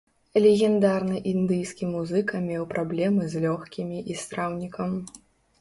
Легендарны індыйскі музыка меў праблемы з лёгкімі і страўнікам.